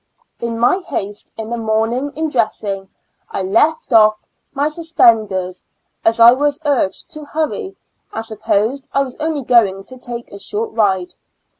In my haste in the morning in dressing I left off my suspen IN A L UNA TIC ASYL U3L 4 \ ders, as I was urged to hurry, and supposed I was only going to take a short ride.